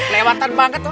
lewatan banget wah